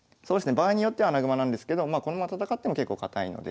場合によっては穴熊なんですけどこのまま戦っても結構堅いので。